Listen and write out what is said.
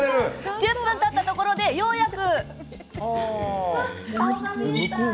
１０分たったところでようやく。